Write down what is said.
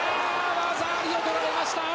技ありを取られました！